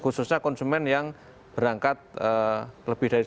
khususnya konsumen yang berangkat lebih dari seribu cc